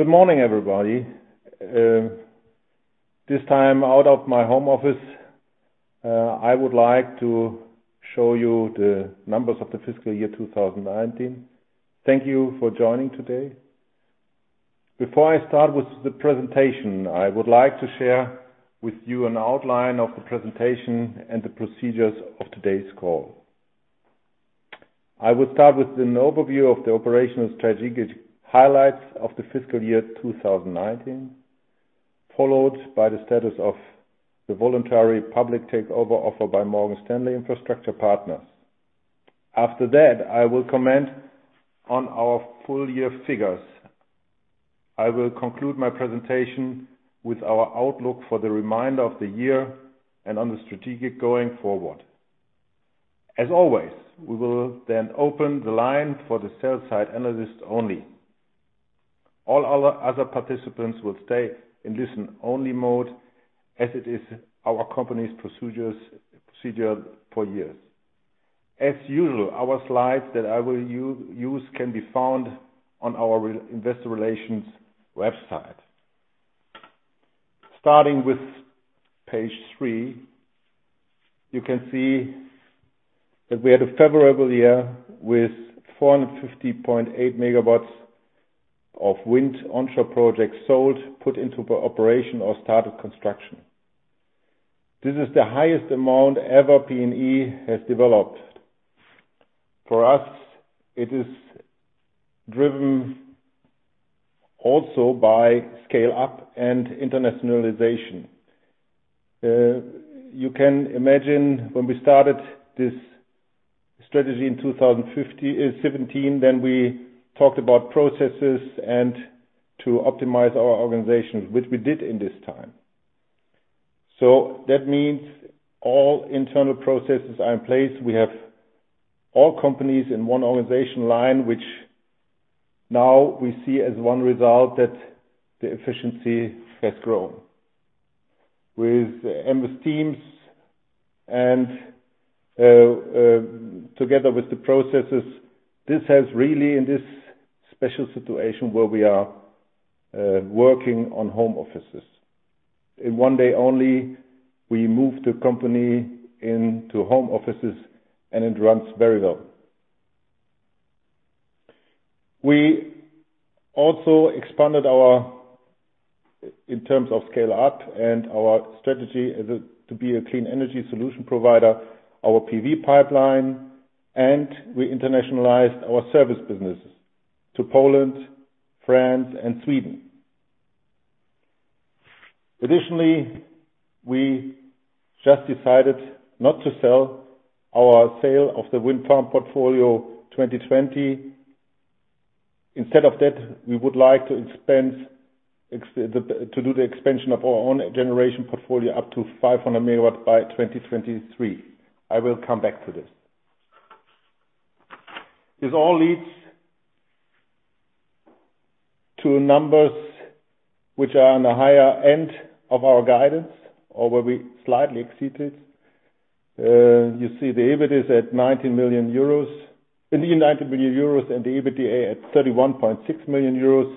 Good morning, everybody. This time out of my home office, I would like to show you the numbers of the fiscal year 2019. Thank you for joining today. Before I start with the presentation, I would like to share with you an outline of the presentation and the procedures of today's call. I will start with an overview of the operational strategic highlights of the fiscal year 2019, followed by the status of the voluntary public takeover offer by Morgan Stanley Infrastructure Partners. After that, I will comment on our full year figures. I will conclude my presentation with our outlook for the remainder of the year and on the strategic going forward. As always, we will then open the line for the sell-side analysts only. All other participants will stay in listen-only mode as it is our company's procedure for years. As usual, our slides that I will use can be found on our investor relations website. Starting with page three, you can see that we had a favorable year with 450.8 MW of wind onshore projects sold, put into operation or started construction. This is the highest amount ever PNE has developed. For us, it is driven also by scale-up and internationalization. You can imagine when we started this strategy in 2017, we talked about processes and to optimize our organizations, which we did in this time. That means all internal processes are in place. We have all companies in one organization line, which now we see as one result that the efficiency has grown. In one day only, we moved the company into home offices and it runs very well. We also expanded our, in terms of scale-up and our strategy to be a clean energy solution provider, our PV pipeline, and we internationalized our service businesses to Poland, France, and Sweden. Additionally, we just decided not to sell our sale of the wind farm portfolio 2020. Instead of that, we would like to do the expansion of our own generation portfolio up to 500 MW by 2023. I will come back to this. This all leads to numbers which are on the higher end of our guidance or where we slightly exceeded. You see the EBIT is at 19 million euros and the EBITDA at 31.6 million euros.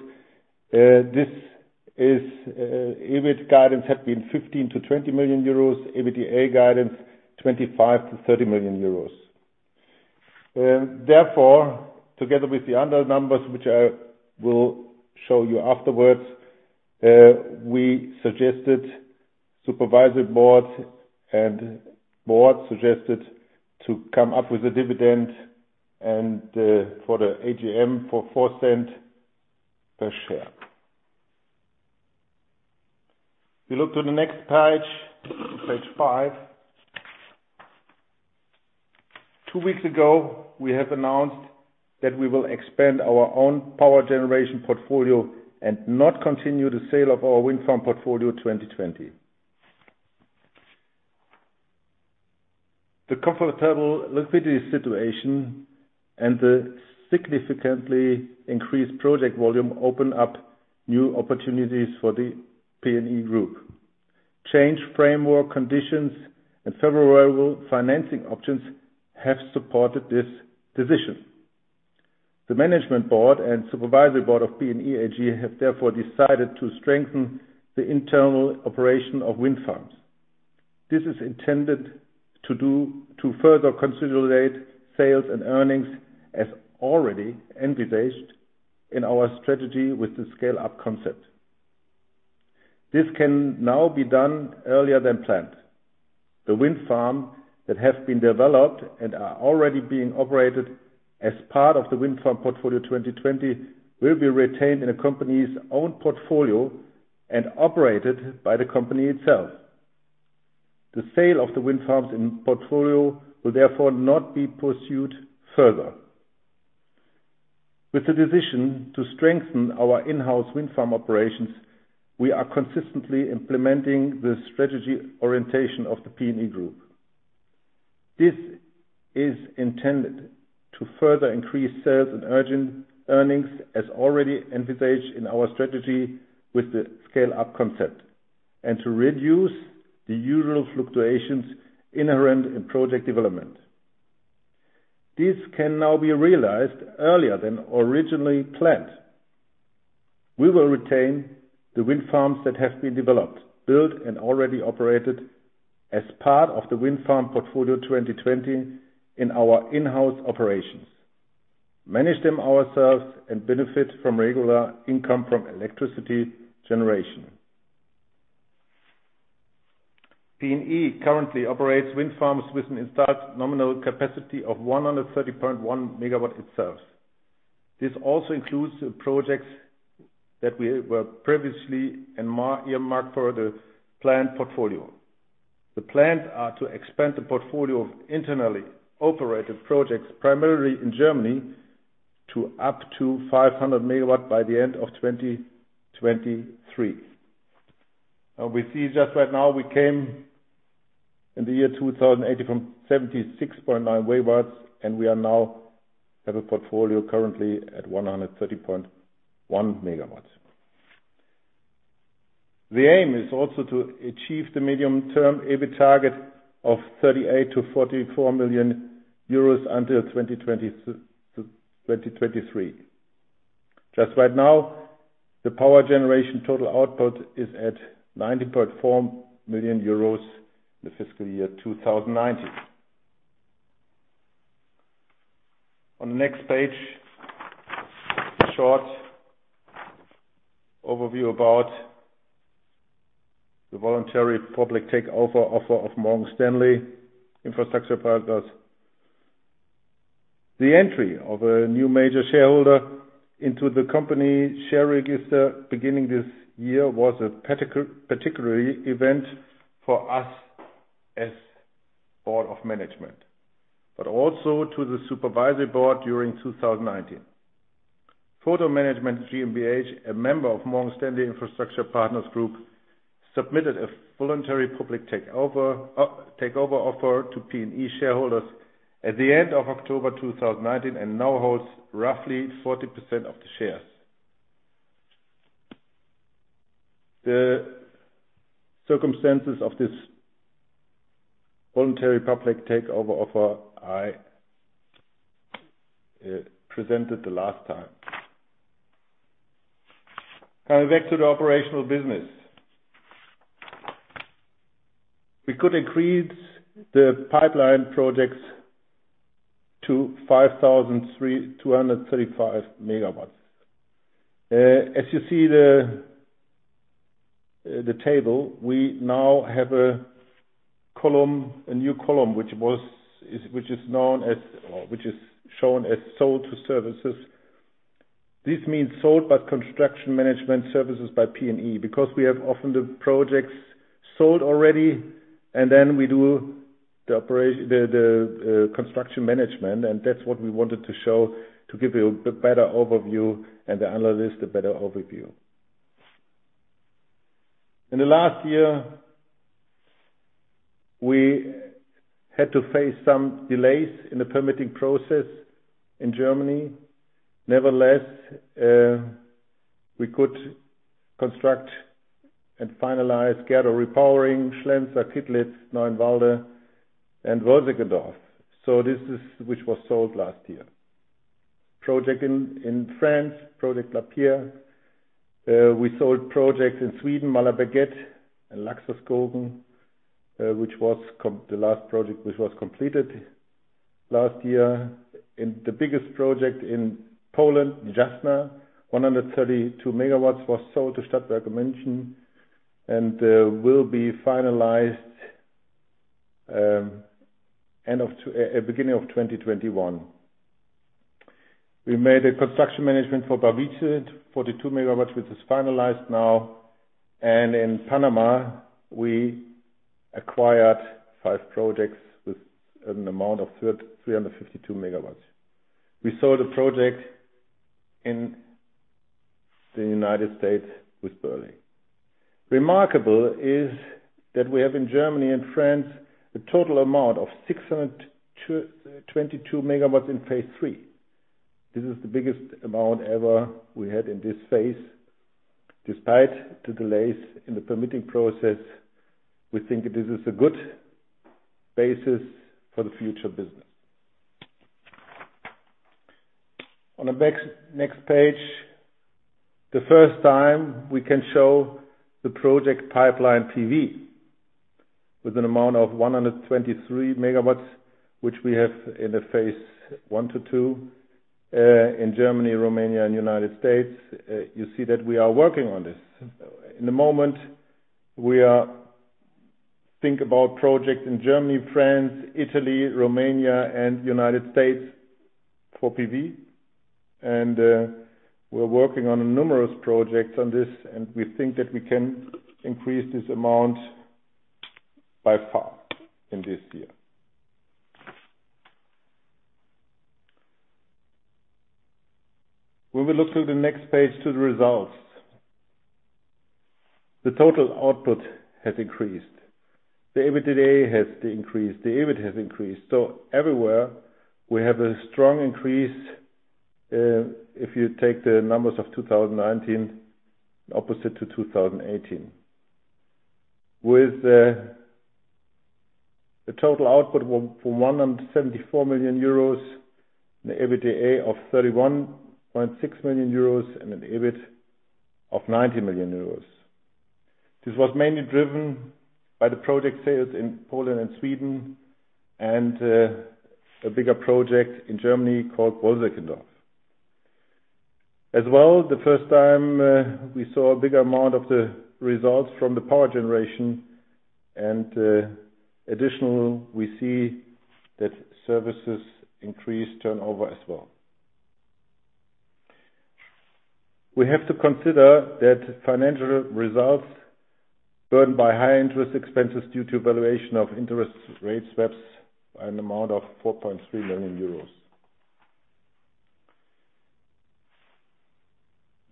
EBIT guidance had been 15 million-20 million euros, EBITDA guidance 25 million-30 million euros. Together with the other numbers, which I will show you afterwards, supervisory board and board suggested to come up with a dividend and for the AGM for 0.04 per share. We look to the next page five. Two weeks ago, we have announced that we will expand our own power generation portfolio and not continue the sale of our wind farm portfolio 2020. The comfortable liquidity situation and the significantly increased project volume open up new opportunities for the PNE Group. Change framework conditions and favorable financing options have supported this decision. The management board and supervisory board of PNE AG have therefore decided to strengthen the internal operation of wind farms. This is intended to further consolidate sales and earnings as already envisaged in our strategy with the scale-up concept. This can now be done earlier than planned. The wind farm that has been developed and are already being operated as part of the wind farm portfolio 2020 will be retained in the company's own portfolio and operated by the company itself. The sale of the wind farms in portfolio will therefore not be pursued further. With the decision to strengthen our in-house wind farm operations, we are consistently implementing the strategy orientation of the PNE Group. This is intended to further increase sales and earnings as already envisaged in our strategy with the scale-up concept, and to reduce the usual fluctuations inherent in project development. This can now be realized earlier than originally planned. We will retain the wind farms that have been developed, built, and already operated as part of the wind farm portfolio 2020 in our in-house operations, manage them ourselves, and benefit from regular income from electricity generation. PNE currently operates wind farms with an installed nominal capacity of 130.1 megawatts itself. This also includes the projects that were previously earmarked for the planned portfolio. The plans are to expand the portfolio of internally operated projects, primarily in Germany, to up to 500 megawatts by the end of 2023. We see just right now we came in the year 2018 from 76.9 megawatts, and we now have a portfolio currently at 130.1 megawatts. The aim is also to achieve the medium-term EBIT target of 38 million-44 million euros until 2023. Just right now, the power generation total output is at 90.4 million euros in the fiscal year 2019. On the next page, a short overview about the voluntary public takeover offer of Morgan Stanley Infrastructure Partners. The entry of a new major shareholder into the company share register beginning this year was a particular event for us as board of management, but also to the supervisory board during 2019. Photon Management GmbH, a member of Morgan Stanley Infrastructure Partners group, submitted a voluntary public takeover offer to PNE shareholders at the end of October 2019 and now holds roughly 40% of the shares. The circumstances of this voluntary public takeover offer I presented the last time. Coming back to the operational business. We could increase the pipeline projects to 5,235 megawatts. As you see the table, we now have a new column, which is shown as sold to services. This means sold, but construction management services by PNE, because we have often the projects sold already, and then we do the construction management, and that's what we wanted to show to give you a better overview and the analyst a better overview. In the last year, we had to face some delays in the permitting process in Germany. Nevertheless, we could construct and finalize Gerdau-Repowering, Schlenzer, Kittlitz, Neuenwalde, and Roseckendorf. This is which was sold last year. Project in France, Project La Pierre. We sold projects in Sweden, Målarberget and Laxoskogen, the last project, which was completed last year. The biggest project in Poland, Jasna, 132 megawatts was sold to Stadtwerke München and will be finalized beginning of 2021. We made a construction management for Bavita, 42 megawatts, which is finalized now. In Panama, we acquired five projects with an amount of 352 megawatts. We sold a project in the United States with Berley. Remarkable is that we have in Germany and France a total amount of 622 megawatts in phase 3. This is the biggest amount ever we had in this phase. Despite the delays in the permitting process, we think this is a good basis for the future business. On the next page, the first time we can show the project pipeline PV with an amount of 123 megawatts, which we have in the phase 1 to 2, in Germany, Romania, and United States. You see that we are working on this. In the moment, we are think about projects in Germany, France, Italy, Romania, and United States for PV, and we're working on numerous projects on this, and we think that we can increase this amount by far in this year. When we look to the next page to the results, the total output has increased. The EBITDA has increased. The EBIT has increased. Everywhere we have a strong increase, if you take the numbers of 2019 opposite to 2018. With the total output for 174 million euros and the EBITDA of 31.6 million euros and an EBIT of 90 million euros. This was mainly driven by the project sales in Poland and Sweden and a bigger project in Germany called Wolsekenndorf. As well, the first time we saw a bigger amount of the results from the power generation, and additional, we see that services increased turnover as well. We have to consider that financial results burdened by high interest expenses due to valuation of interest rate swaps by an amount of 4.3 million euros.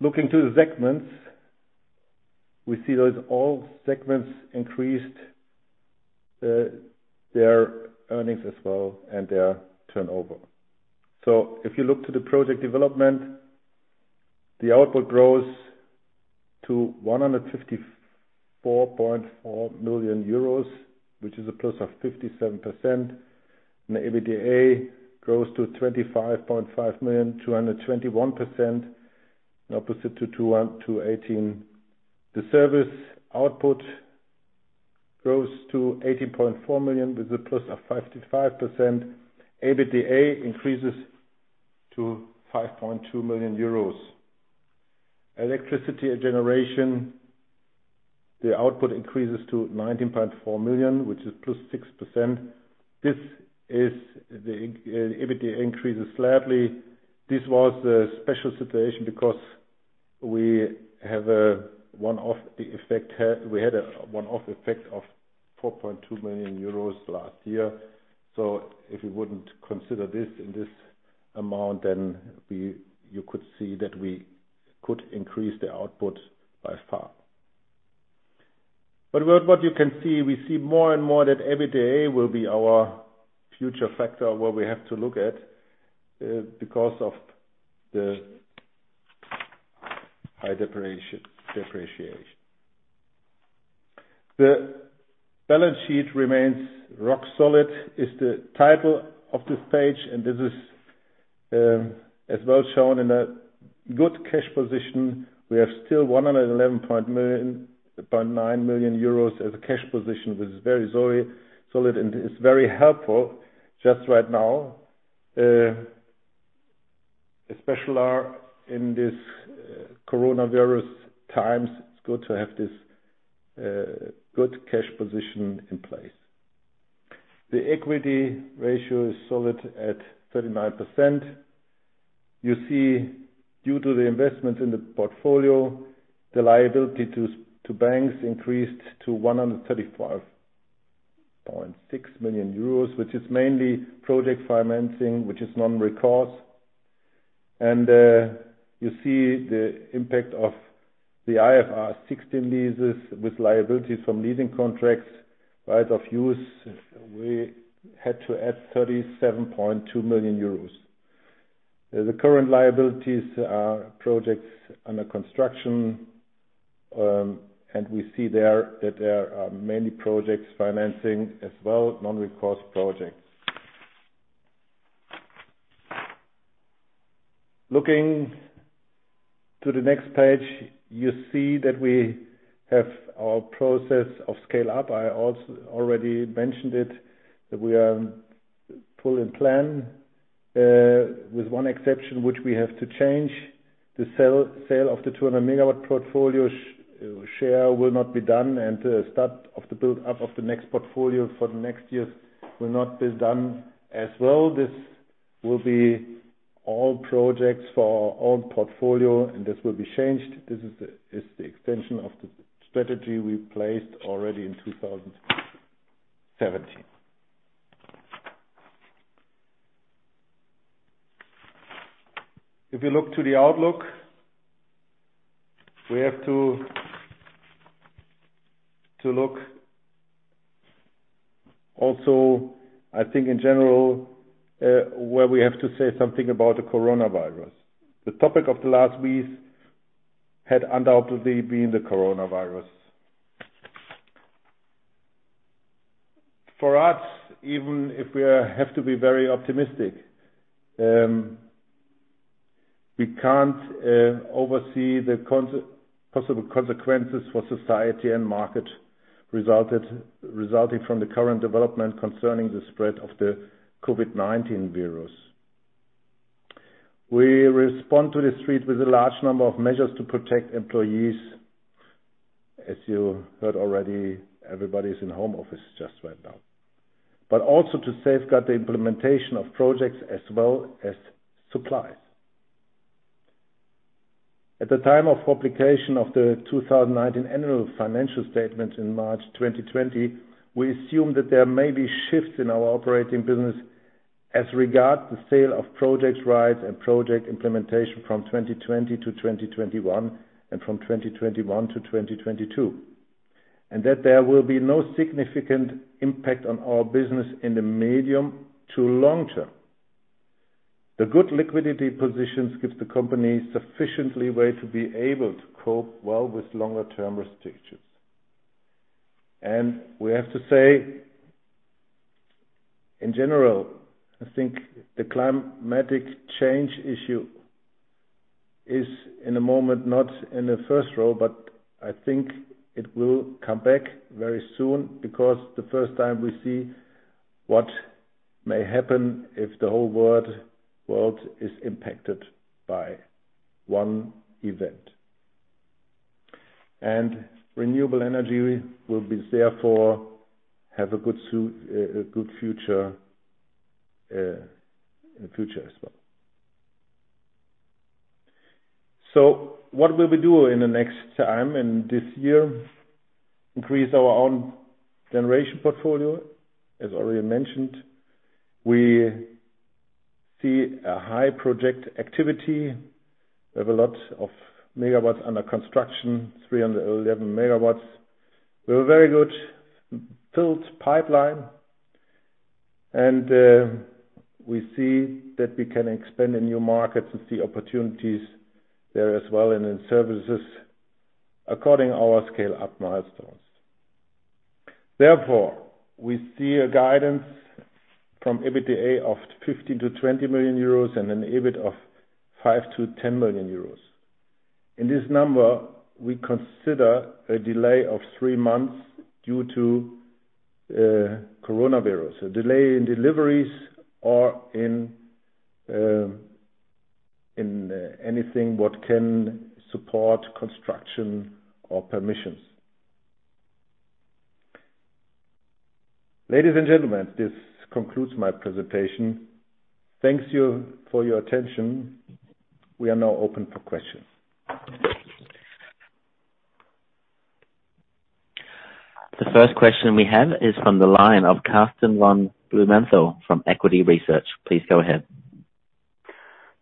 Looking to the segments, we see that all segments increased their earnings as well and their turnover. If you look to the project development, the output grows to 154.4 million euros, which is a plus of 57%. The EBITDA grows to 25.5 million, 221% and opposite to 218%. The service output grows to 18.4 million with a plus of 55%. EBITDA increases to 5.2 million euros. Electricity generation, the output increases to 19.4 million, which is +6%. The EBITDA increases slightly. This was a special situation because we had a one-off effect of 4.2 million euros last year. If you wouldn't consider this in this amount, then you could see that we could increase the output by far. What you can see, we see more and more that EBITDA will be our future factor where we have to look at because of the high depreciation. The balance sheet remains rock solid is the title of this page. This is as well shown in a good cash position. We have still 111.9 million as a cash position, which is very solid and is very helpful just right now. Especially in this coronavirus times, it's good to have this good cash position in place. The equity ratio is solid at 39%. You see due to the investment in the portfolio, the liability to banks increased to 135.6 million euros, which is mainly project financing, which is non-recourse. You see the impact of the IFRS 16 leases with liabilities from leasing contracts, right of use, we had to add 37.2 million euros. The current liabilities are projects under construction. We see there that there are many projects financing as well, non-recourse projects. Looking to the next page, you see that we have our process of scale-up. I already mentioned it, that we are fully in plan, with one exception, which we have to change. The sale of the 200-megawatt portfolio share will not be done. Start of the build-up of the next portfolio for the next years will not be done as well. This will be all projects for our own portfolio. This will be changed. This is the extension of the strategy we placed already in 2017. If you look to the outlook, we have to look also, I think in general, where we have to say something about the coronavirus. The topic of the last weeks had undoubtedly been the coronavirus. For us, even if we have to be very optimistic, we can't oversee the possible consequences for society and market resulting from the current development concerning the spread of the COVID-19 virus. We respond to the threat with a large number of measures to protect employees, as you heard already, everybody's in home office just right now. Also to safeguard the implementation of projects as well as supplies. At the time of publication of the 2019 annual financial statement in March 2020, we assumed that there may be shifts in our operating business as regards the sale of project rights and project implementation from 2020 to 2021, and from 2021 to 2022. That there will be no significant impact on our business in the medium to long- term. The good liquidity positions gives the company sufficient way to be able to cope well with longer- term restrictions. We have to say, in general, I think the climatic change issue is in the moment not in the first row, but I think it will come back very soon because the first time we see what may happen if the whole world is impacted by one event. Renewable energy will therefore have a good future as well. What will we do in the next time, in this year? Increase our own generation portfolio, as already mentioned. We see a high project activity. We have a lot of megawatts under construction, 311 megawatts. We have a very good filled pipeline and we see that we can expand in new markets and see opportunities there as well and in services according our scale-up milestones. Therefore, we see a guidance from EBITDA of 15 million-20 million euros and an EBIT of 5 million-10 million euros. In this number, we consider a delay of three months due to coronavirus, a delay in deliveries or in anything what can support construction or permissions. Ladies and gentlemen, this concludes my presentation. Thanks for your attention. We are now open for questions. The first question we have is from the line of Karsten von Blumenthal from Equity Research. Please go ahead.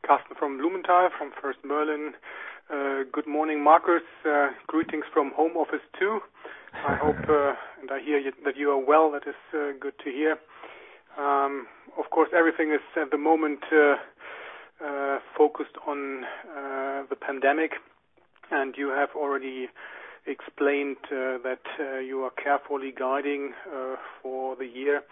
Karsten von Blumenthal from First Berlin. Good morning, Markus. Greetings from home office too. I hope, and I hear that you are well, that is good to hear. Of course, everything is at the moment focused on the pandemic and you have already explained that you are carefully guiding for the year.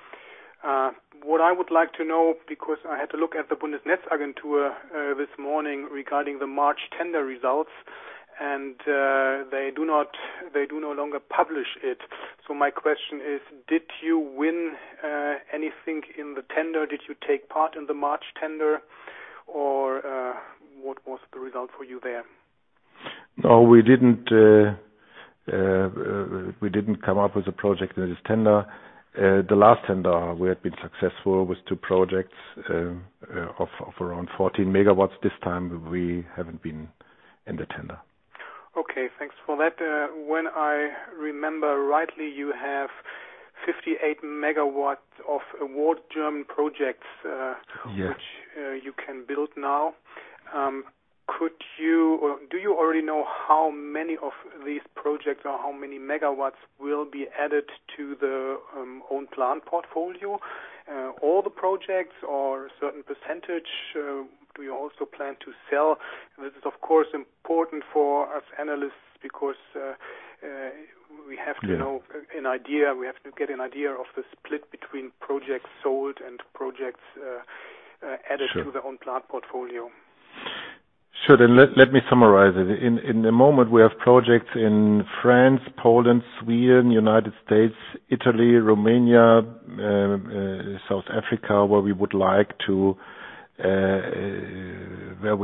What I would like to know, because I had to look at the Bundesnetzagentur this morning regarding the March tender results, and they do no longer publish it. My question is, did you win anything in the tender? Did you take part in the March tender or what was the result for you there? No, we didn't come up with a project that is tender. The last tender we had been successful with two projects of around 14 megawatts. This time we haven't been in the tender. Okay, thanks for that. When I remember rightly, you have 58 megawatts of awarded German projects. Yes which you can build now. Do you already know how many of these projects or how many megawatts will be added to the own plant portfolio? All the projects or a certain percentage do you also plan to sell? This is of course important for us analysts because we have to get an idea of the split between projects sold and projects added to their own plant portfolio. Sure. Let me summarize it. In the moment, we have projects in France, Poland, Sweden, U.S., Italy, Romania, South Africa, where we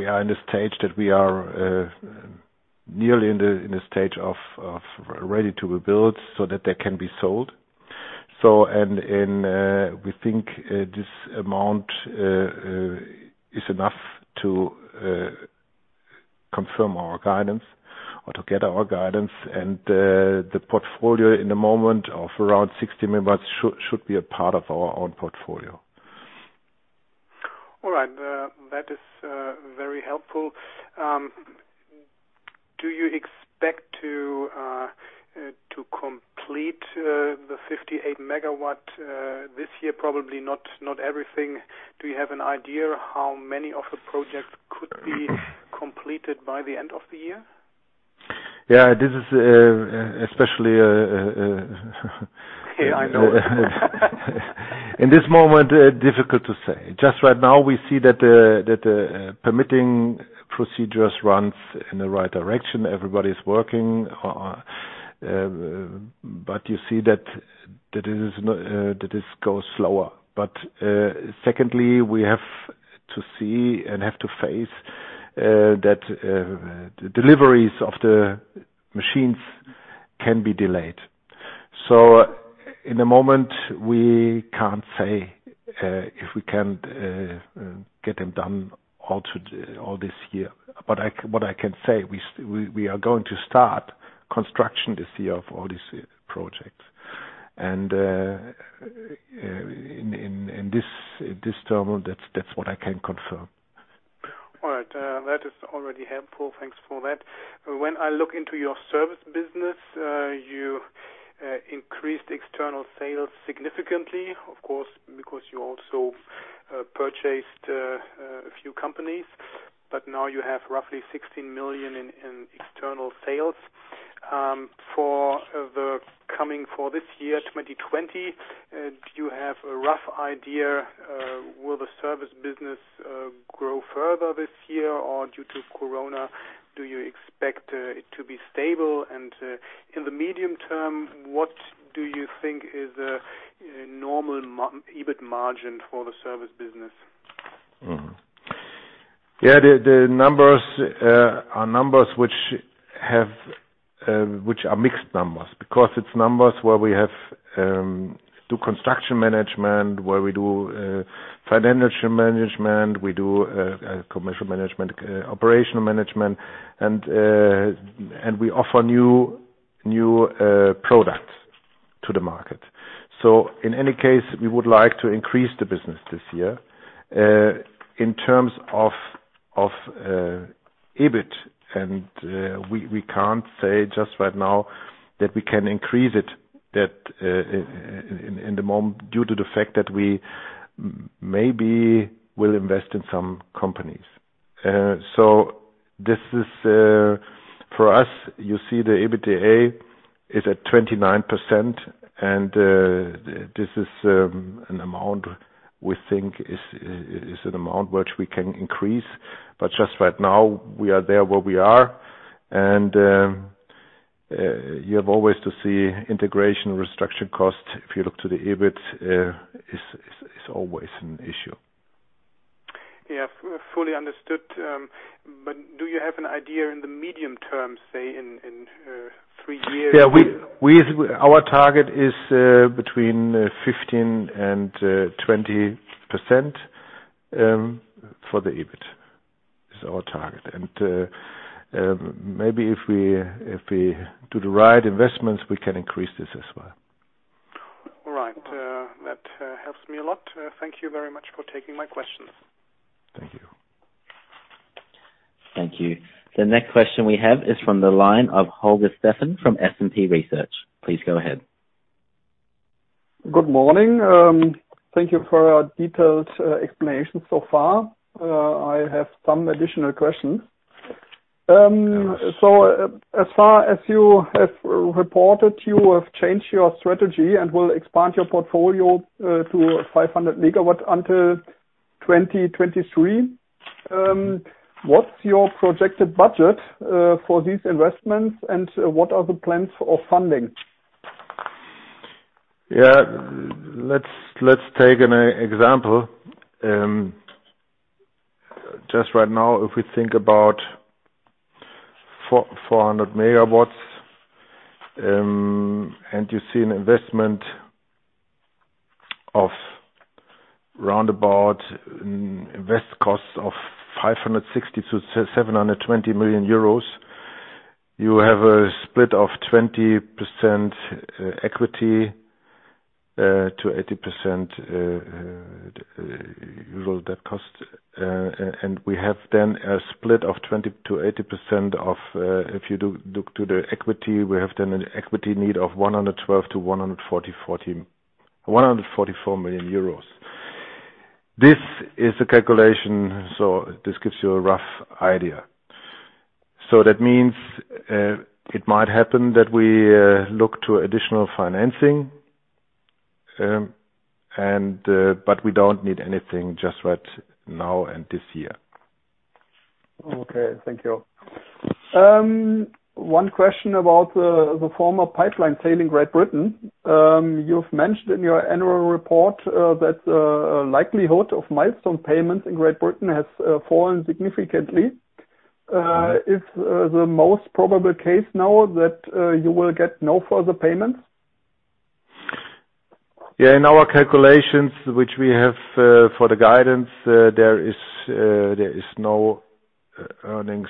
are nearly in the stage of ready to be built so that they can be sold. We think this amount is enough to confirm our guidance or to get our guidance and the portfolio at the moment of around 60 megawatts should be a part of our own portfolio. All right. That is very helpful. Do you expect to complete the 58 MW this year? Probably not everything. Do you have an idea how many of the projects could be completed by the end of the year? Yeah, this is especially Yeah, I know. In this moment, difficult to say. Just right now we see that the permitting procedures runs in the right direction. Everybody's working. You see that this goes slower. Secondly, we have to see and have to face that the deliveries of the machines can be delayed. At the moment, we can't say if we can get them done all this year. What I can say, we are going to start construction this year for these projects. In this term, that's what I can confirm. All right. That is already helpful. Thanks for that. When I look into your service business, you increased external sales significantly, of course, because you also purchased a few companies, now you have roughly 16 million in external sales. For this year, 2020, do you have a rough idea? Will the service business grow further this year? Due to COVID, do you expect it to be stable? In the medium term, what do you think is a normal EBIT margin for the service business? Yeah, the numbers are numbers which are mixed numbers, because it's numbers where we do construction management, where we do financial management, we do commercial management, operational management, and we offer new products to the market. In any case, we would like to increase the business this year. In terms of EBIT, we can't say just right now that we can increase it in the moment, due to the fact that we maybe will invest in some companies. For us, you see the EBITDA is at 29%, and this is an amount we think is an amount which we can increase. Just right now, we are there where we are. You have always to see integration, restructure costs, if you look to the EBIT, is always an issue. Yeah. Fully understood. Do you have an idea in the medium term, say in three years? Our target is between 15% and 20% for the EBIT. Maybe if we do the right investments, we can increase this as well. All right. That helps me a lot. Thank you very much for taking my questions. Thank you. Thank you. The next question we have is from the line of Holger Steffen from SMC Research. Please go ahead. Good morning. Thank you for your detailed explanation so far. I have some additional questions. Yes. As far as you have reported, you have changed your strategy and will expand your portfolio to 500 megawatts until 2023. What's your projected budget for these investments, and what are the plans for funding? Let's take an example. Just right now, if we think about 400 megawatts, and you see an investment of roundabout invest cost of 560 million-720 million euros, you have a split of 20% equity to 80% usual debt cost. We have then a split of 20%-80% of, if you look to the equity, we have then an equity need of 112 million-144 million euros. This is the calculation, so this gives you a rough idea. That means it might happen that we look to additional financing, but we don't need anything just right now and this year. Okay. Thank you. One question about the former pipeline sale in Great Britain. You've mentioned in your annual report that likelihood of milestone payments in Great Britain has fallen significantly. Is the most probable case now that you will get no further payments? Yeah. In our calculations, which we have for the guidance, there is no earnings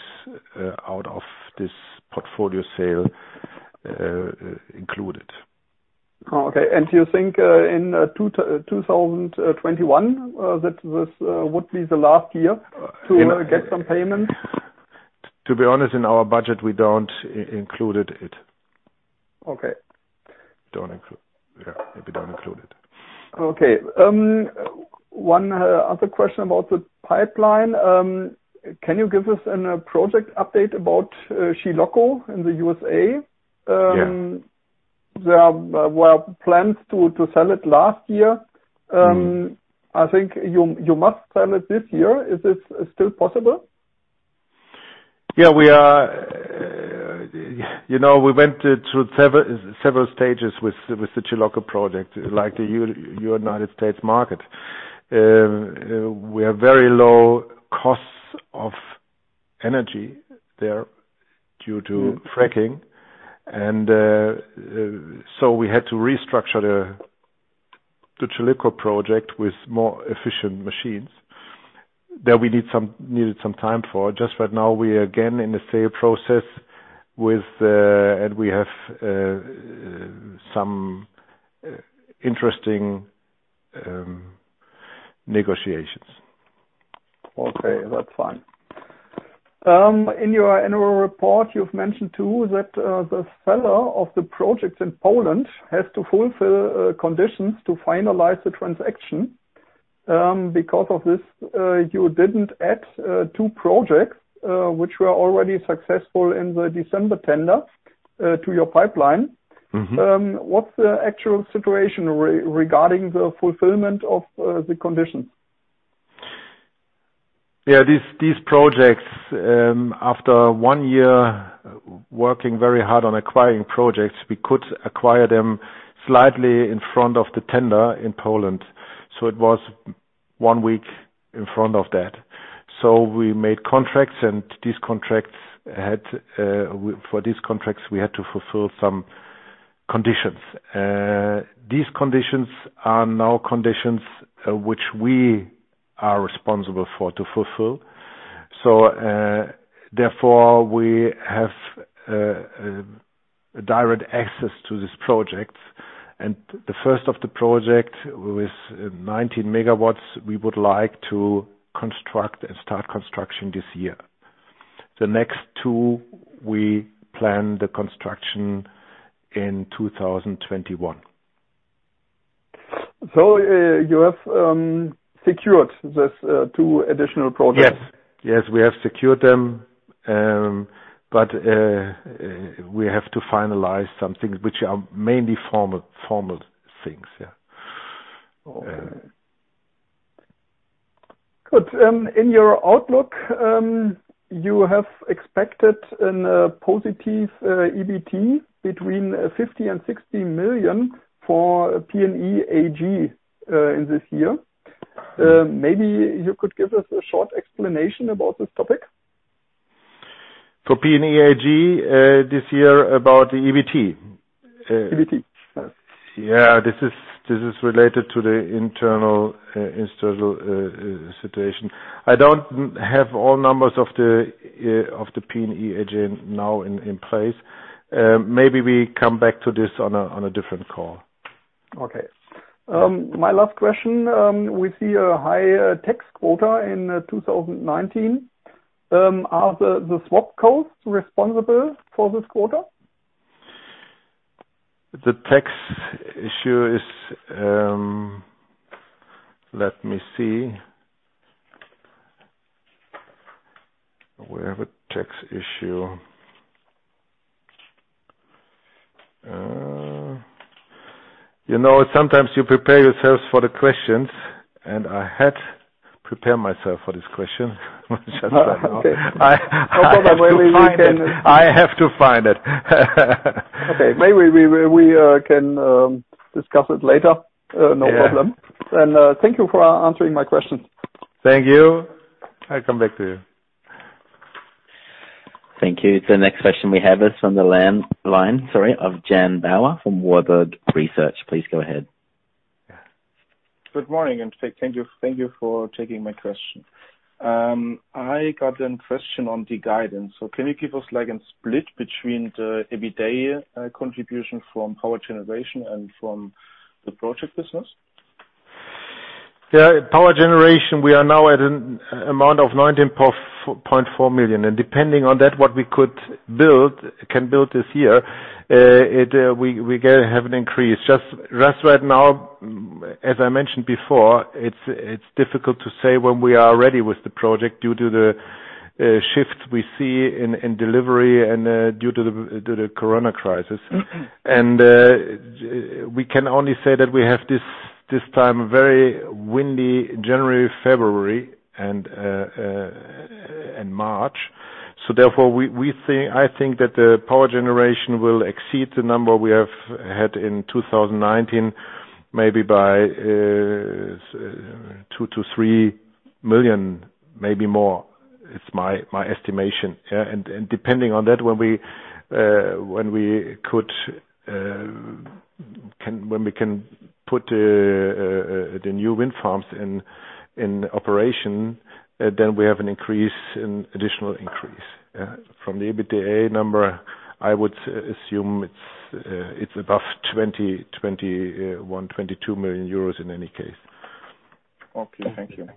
out of this portfolio sale included. Oh, okay. Do you think in 2021, that this would be the last year to get some payments? To be honest, in our budget, we don't include it. Okay. Yeah. We don't include it. Okay. One other question about the pipeline. Can you give us a project update about Chilocco in the USA? Yeah. There were plans to sell it last year. I think you must sell it this year. Is this still possible? Yeah. We went through several stages with the Chilocco project, like the United States market. We have very low costs of energy there due to fracking, and so we had to restructure the Chilocco project with more efficient machines. That we needed some time for. Just right now, we are again in the sale process. We have some interesting negotiations. Okay, that's fine. In your annual report, you've mentioned too that the seller of the projects in Poland has to fulfill conditions to finalize the transaction. You didn't add two projects, which were already successful in the December tender to your pipeline. What's the actual situation regarding the fulfillment of the conditions? These projects, after one year working very hard on acquiring projects, we could acquire them slightly in front of the tender in Poland. It was one week in front of that. We made contracts, and for these contracts, we had to fulfill some conditions. These conditions are now conditions which we are responsible for to fulfill. Therefore, we have direct access to these projects. The first of the project with 19 megawatts, we would like to construct and start construction this year. The next two, we plan the construction in 2021. You have secured these two additional projects? Yes. We have secured them. We have to finalize some things which are mainly formal things, yeah. Okay. Good. In your outlook, you have expected a positive EBT between 50 million and 60 million for PNE AG in this year. Maybe you could give us a short explanation about this topic. For PNE AG, this year about the EBT? EBT. Yeah. This is related to the internal situation. I don't have all numbers of the PNE AG now in place. Maybe we come back to this on a different call. Okay. My last question, we see a high tax quota in 2019. Are the swap costs responsible for this quota? The tax issue is, let me see. Where were tax issue. Sometimes you prepare yourselves for the questions, and I had prepared myself for this question, which I don't know. Okay. No problem. I have to find it. Okay. Maybe we can discuss it later. No problem. Yeah. Thank you for answering my questions. Thank you. I come back to you. Thank you. The next question we have is from the land line, sorry, of Jan Bauer from Warburg Research. Please go ahead. Good morning, and thank you for taking my question. I got a question on the guidance. Can you give us a split between the EBITDA contribution from power generation and from the project business? Yeah. Power generation, we are now at an amount of 19.4 million, and depending on that, what we could build this year, we going to have an increase. Just right now, as I mentioned before, it's difficult to say when we are ready with the project due to the shifts we see in delivery and due to the COVID crisis. We can only say that we have this time a very windy January, February, and March. Therefore I think that the power generation will exceed the number we have had in 2019, maybe by 2 million-3 million, maybe more. It's my estimation. Yeah. Depending on that, when we can put the new wind farms in operation, then we have an additional increase. From the EBITDA number, I would assume it's above 20 million euros, 21 million, 22 million euros in any case. Okay. Thank you.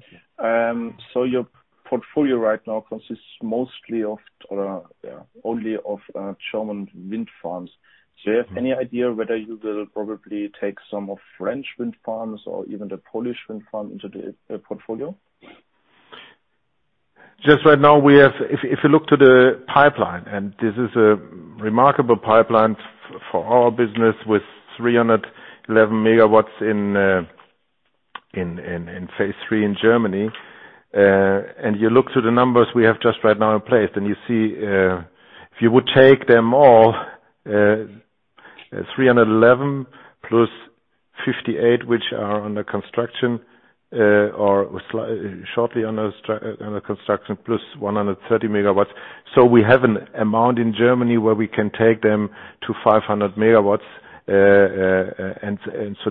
Your portfolio right now consists mostly of, or only of German wind farms. You have any idea whether you will probably take some of French wind farms or even the Polish wind farm into the portfolio? Just right now. If you look to the pipeline, this is a remarkable pipeline for our business with 311 MW in phase three in Germany. You look to the numbers we have just right now in place, you see, if you would take them all, 311 plus 58, which are under construction, or shortly under construction, plus 130 MW. We have an amount in Germany where we can take them to 500 MW.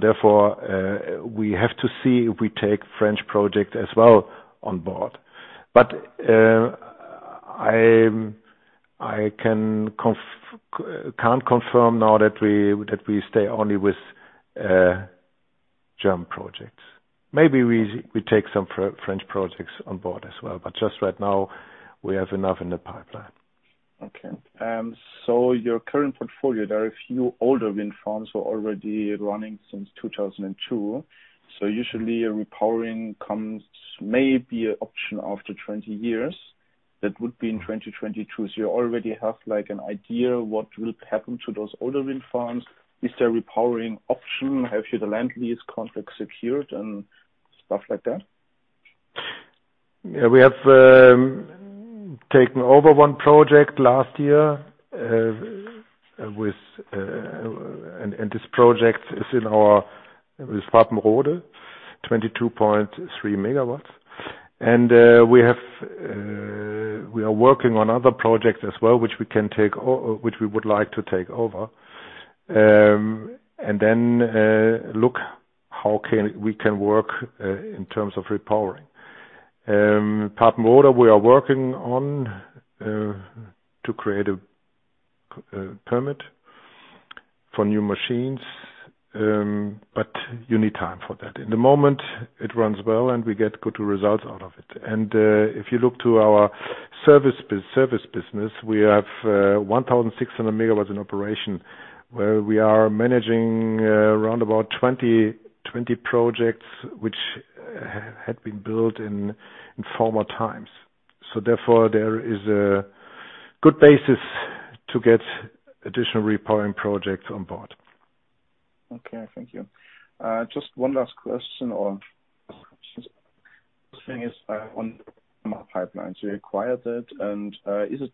Therefore, we have to see if we take French project as well on board. I can't confirm now that we stay only with German projects. Maybe we take some French projects on board as well, just right now we have enough in the pipeline. Okay. Your current portfolio, there are a few older wind farms already running since 2002. Usually a repowering comes, may be an option after 20 years. That would be in 2022. You already have an idea what will happen to those older wind farms. Is there a repowering option? Have you the land lease contract secured and stuff like that? Yeah, we have taken over one project last year. This project is in our Papenrode, 22.3 MW. We are working on other projects as well, which we would like to take over. Look how we can work in terms of repowering. Papenrode, we are working on to create a permit for new machines. You need time for that. In the moment, it runs well. We get good results out of it. If you look to our service business, we have 1,600 MW in operation, where we are managing around about 20 projects which had been built in former times. Therefore, there is a good basis to get additional repowering projects on board. Okay. Thank you. Just one last question on Panama pipelines, you acquired that. Is it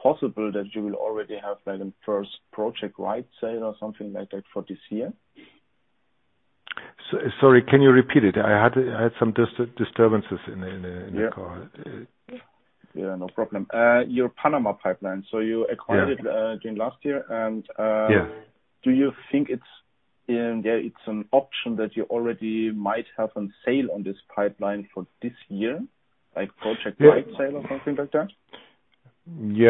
possible that you will already have the first project rights sale or something like that for this year? Sorry, can you repeat it? I had some disturbances in the call. Yeah, no problem. Your Panama pipeline, you acquired it Yeah during last year. Yeah Do you think it's an option that you already might have on sale on this pipeline for this year, like project right sale or something like that? We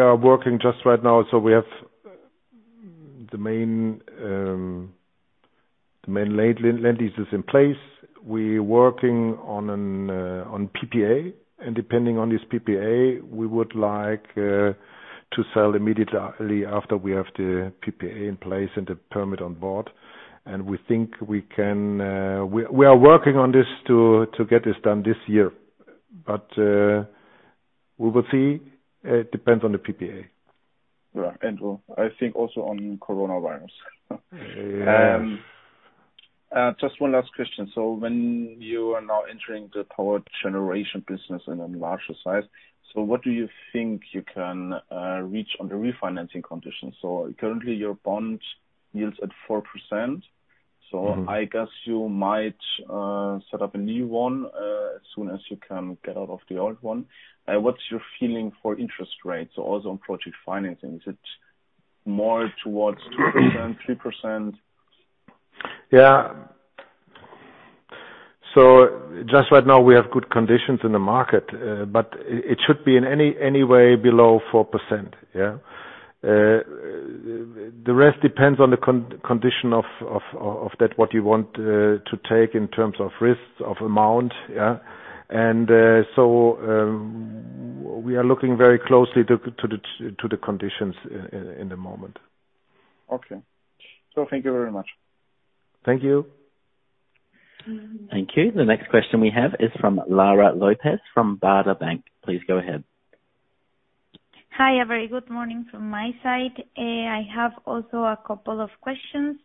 are working just right now. We have the main land leases in place. We working on PPA, and depending on this PPA, we would like to sell immediately after we have the PPA in place and the permit on board. We are working on this to get this done this year. We will see. It depends on the PPA. Yeah. I think also on coronavirus. Yes. Just one last question. When you are now entering the power generation business in a larger size, what do you think you can reach on the refinancing conditions? Currently your bond yields at 4%. I guess you might set up a new one, as soon as you can get out of the old one. What's your feeling for interest rates also on project financing? Is it more towards 2%, 3%? Yeah. Just right now we have good conditions in the market, but it should be in any way below 4%. Yeah. The rest depends on the condition of that what you want to take in terms of risks, of amount, yeah. We are looking very closely to the conditions in the moment. Okay. Thank you very much. Thank you. Thank you. The next question we have is from Laura Lopez from Baader Bank. Please go ahead. Hi, a very good morning from my side. I have also a couple of questions.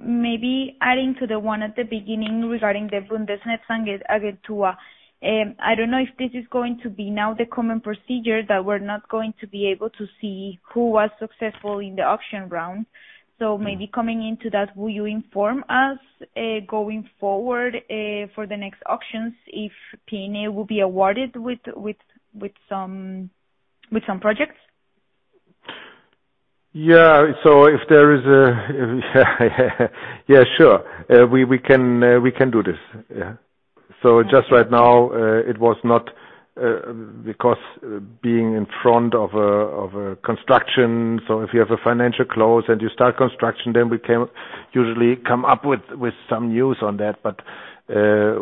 Maybe adding to the one at the beginning regarding the Bundesnetzagentur. I don't know if this is going to be now the common procedure that we're not going to be able to see who was successful in the auction round. Maybe coming into that, will you inform us, going forward, for the next auctions, if PNE will be awarded with some projects? Yeah. Yeah, sure. We can do this. Yeah. Just right now, it was not, because being in front of a construction. If you have a financial close and you start construction, then we usually come up with some news on that.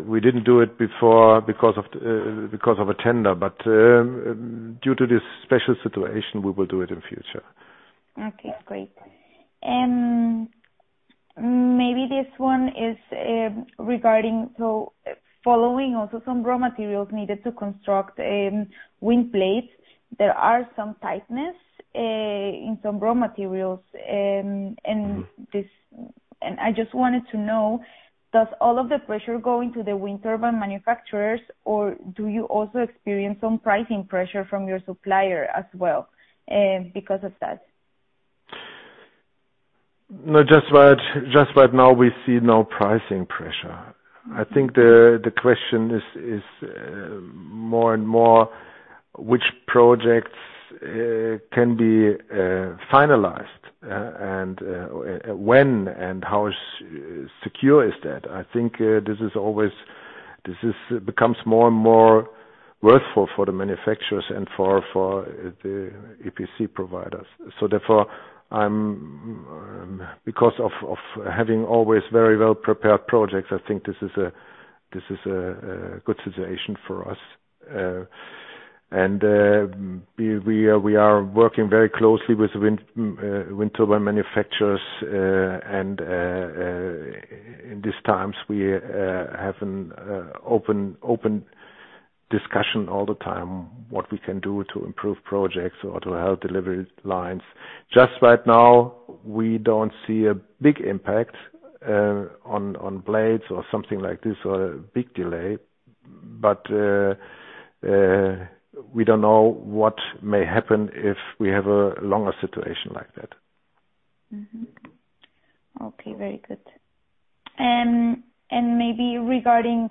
We didn't do it before because of a tender. Due to this special situation, we will do it in future. Okay, great. Maybe this one is regarding, so following also some raw materials needed to construct wind blades, there are some tightness in some raw materials. I just wanted to know, does all of the pressure go into the wind turbine manufacturers, or do you also experience some pricing pressure from your supplier as well, because of that? No, just right now we see no pricing pressure. I think the question is more and more, which projects can be finalized and when, and how secure is that? I think this becomes more and more worthwhile for the manufacturers and for the EPC providers. Therefore, because of having always very well-prepared projects, I think this is a good situation for us. We are working very closely with wind turbine manufacturers, and in these times, we have an open discussion all the time, what we can do to improve projects or to help delivery lines. Just right now, we don't see a big impact on blades or something like this, or a big delay, but we don't know what may happen if we have a longer situation like that. Mm-hmm. Okay. Very good. Maybe regarding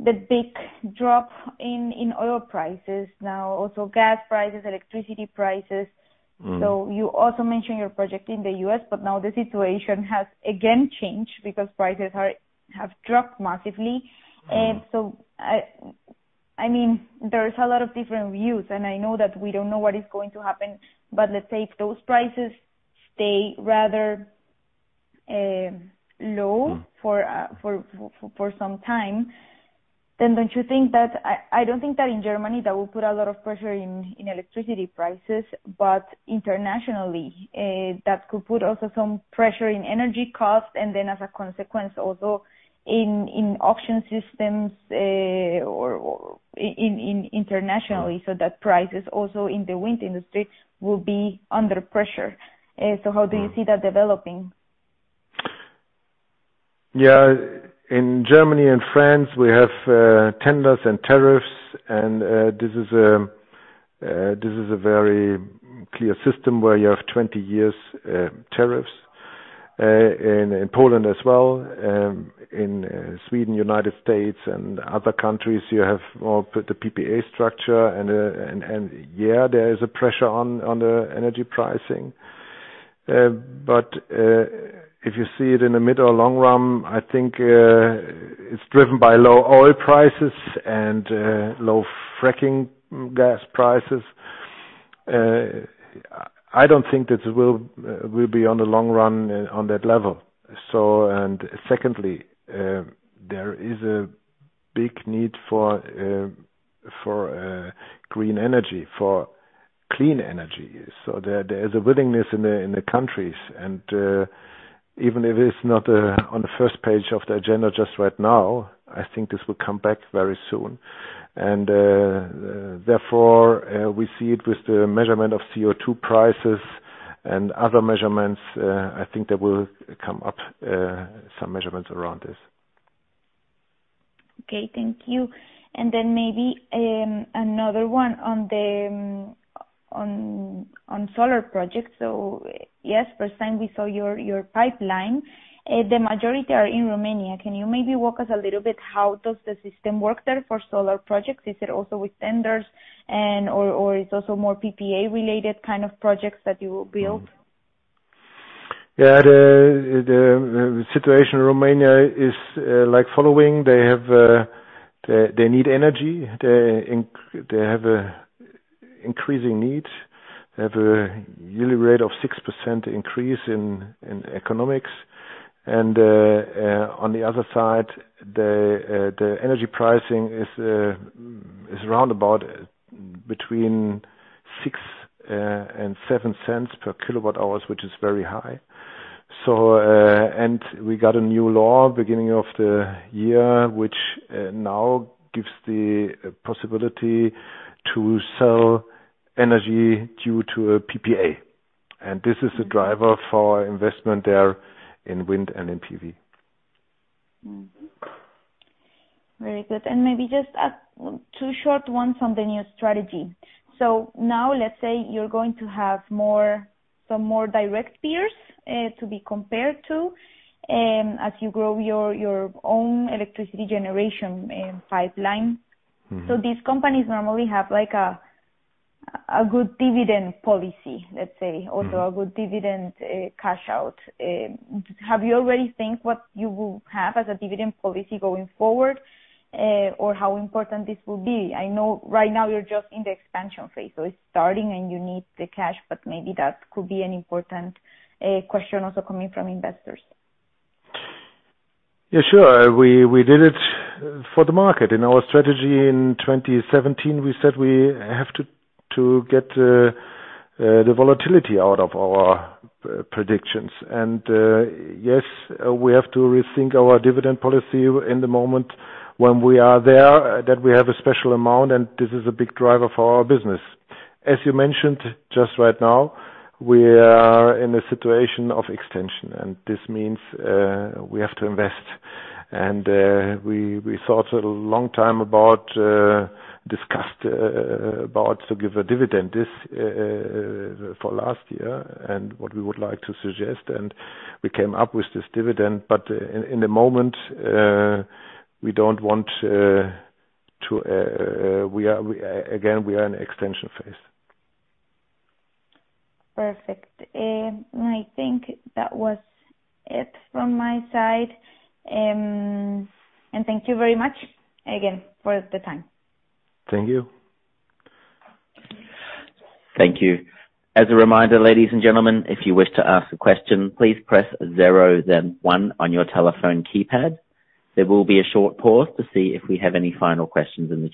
the big drop in oil prices now, also gas prices, electricity prices. You also mentioned your project in the U.S., but now the situation has again changed because prices have dropped massively. There's a lot of different views, and I know that we don't know what is going to happen. Let's say if those prices stay rather low. for some time, Don't you think that I don't think that in Germany, that will put a lot of pressure in electricity prices, but internationally, that could put also some pressure in energy costs, As a consequence, also in auction systems or internationally, that prices also in the wind industry will be under pressure. How do you see that developing? Yeah. In Germany and France, we have tenders and tariffs, and this is a very clear system where you have 20 years tariffs. In Poland as well, in Sweden, U.S., and other countries, you have more of the PPA structure, and yeah, there is a pressure on the energy pricing. If you see it in the mid or long run, I think it's driven by low oil prices and low fracking gas prices. I don't think that it will be on the long run on that level. Secondly, there is a big need for green energy, for clean energy. There is a willingness in the countries, and even if it's not on the first page of the agenda just right now, I think this will come back very soon. Therefore, we see it with the measurement of CO2 prices and other measurements. I think there will come up some measurements around this. Okay. Thank you. Then maybe, another one on solar projects. Yes, first time we saw your pipeline. The majority are in Romania. Can you maybe walk us a little bit, how does the system work there for solar projects? Is it also with tenders and/or is also more PPA-related kind of projects that you will build? Yeah. The situation in Romania is like following. They need energy. They have increasing needs. They have a yearly rate of 6% increase in economics. On the other side, the energy pricing is around about between 0.06 and 0.07 per kilowatt-hour, which is very high. We got a new law beginning of the year, which now gives the possibility to sell energy due to a PPA. This is a driver for investment there in wind and in PV. Mm-hmm. Very good. Maybe just two short ones on the new strategy. Now let's say you're going to have some more direct peers to be compared to, as you grow your own electricity generation pipeline. These companies normally have a good dividend policy, let's say. A good dividend cash out, have you already think what you will have as a dividend policy going forward? How important this will be? I know right now you're just in the expansion phase, so it's starting and you need the cash, but maybe that could be an important question also coming from investors. Yeah, sure. We did it for the market. In our strategy in 2017, we said we have to get the volatility out of our predictions. Yes, we have to rethink our dividend policy in the moment when we are there, that we have a special amount and this is a big driver for our business. As you mentioned, just right now, we are in a situation of extension, and this means, we have to invest. We thought a long time about, discussed about to give a dividend. This for last year, what we would like to suggest, we came up with this dividend. In the moment, we don't want to, again, we are in extension phase. Perfect. I think that was it from my side. Thank you very much again for the time. Thank you. Thank you. As a reminder, ladies and gentlemen, if you wish to ask a question, please press zero then one on your telephone keypad. There will be a short pause to see if we have any final questions in the queue.